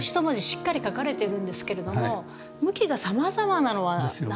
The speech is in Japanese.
しっかり書かれてるんですけれども向きがさまざまなのは何でしょうか？